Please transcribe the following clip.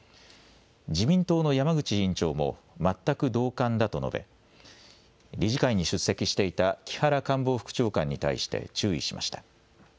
自民党の山口委員長も全く同感だと述べ理事会に出席していた木原官房副長官に対して注意しました。